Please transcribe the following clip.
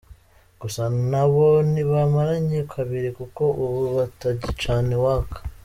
Gusa na bo ntibamaranye kabiri kuko ubu batagicana uwaka.